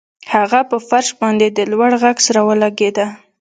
هغه په فرش باندې د لوړ غږ سره ولګیده